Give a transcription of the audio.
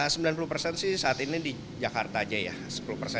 sembilan puluh sih saat ini di jakarta aja ya